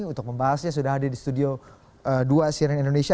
untuk membahasnya sudah hadir di studio dua cnn indonesia